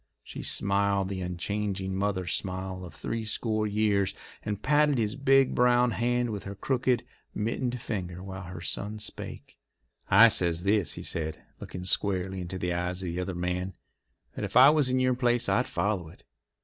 She smiled the unchanging mother smile of three score years, and patted his big brown hand with her crooked, mittened fingers while her son spake. "I says this," he said, looking squarely into the eyes of the other man, "that if I was in your place I'd follow it.